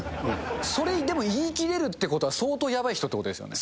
それでも言い切れるっていうことは相当やばい人ってことですよね？